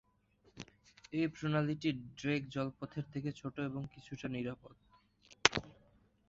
এই প্রণালীটি ড্রেক জলপথের থেকে ছোট এবং কিছুটা নিরাপদ।